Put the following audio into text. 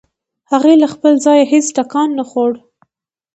هغې له خپل ځايه هېڅ ټکان نه خوړ.